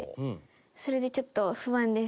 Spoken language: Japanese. それでちょっと不安です。